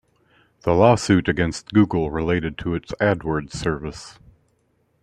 The lawsuit against Google related to its AdWords service.